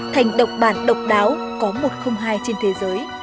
thành độc bản độc đáo có một trăm linh hai trên thế giới